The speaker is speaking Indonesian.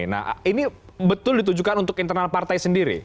nah ini betul ditujukan untuk internal partai sendiri